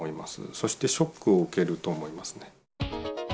そしてショックを受けると思いますね。